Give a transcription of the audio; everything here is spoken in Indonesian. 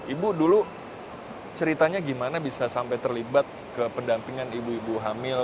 ibu dulu ceritanya gimana bisa sampai terlibat ke pendampingan ibu ibu hamil